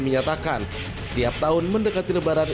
menyatakan setiap tahun mendekati lebaran